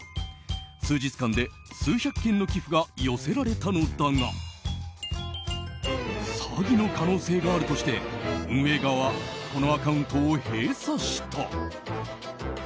数日間で数百件の寄付が寄せられたのだが詐欺の可能性があるとして運営側はこのアカウントを閉鎖した。